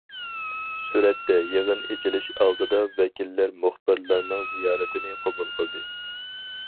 سۈرەتتە: يىغىن ئېچىلىش ئالدىدا، ۋەكىللەر مۇخبىرلارنىڭ زىيارىتىنى قوبۇل قىلدى.